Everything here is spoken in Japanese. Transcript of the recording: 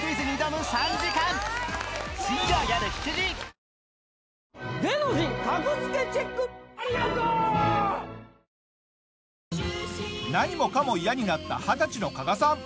リブネスタウンへ何もかも嫌になった二十歳の加賀さん。